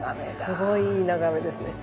すごいいい眺めですね。